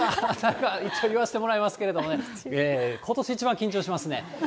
一応言わせてもらいますけど、ことし一番緊張しますね。